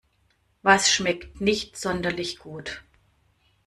Was schmeckt nicht sonderlich gut?